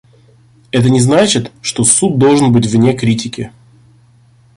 Это не значит, что Суд должен быть вне критики.